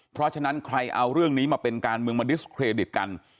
เพราะฉะนั้นใครเอาเรื่องนี้มาเป็นการเมืองมาดิสเครดิตกัน